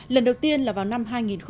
lần đầu tiên là vào năm hai nghìn năm